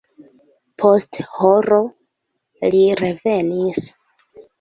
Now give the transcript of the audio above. Post horo li revenis.